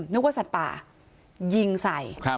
นึกว่าสัตว์ป่ายิงใส่